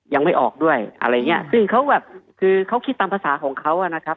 ยังไม่ออกด้วยอะไรอย่างเงี้ยซึ่งเขาแบบคือเขาคิดตามภาษาของเขาอ่ะนะครับ